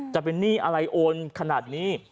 จะเป็นหนี้อะไรโอนขนาดนี้